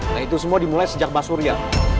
nah itu semua dimulai sejak pak surya